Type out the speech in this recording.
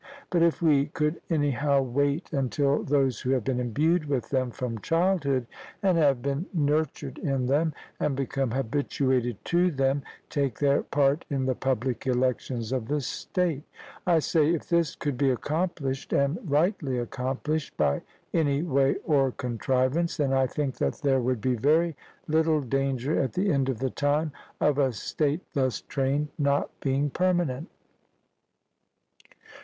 But if we could anyhow wait until those who have been imbued with them from childhood, and have been nurtured in them, and become habituated to them, take their part in the public elections of the state; I say, if this could be accomplished, and rightly accomplished by any way or contrivance then, I think that there would be very little danger, at the end of the time, of a state thus trained not being permanent.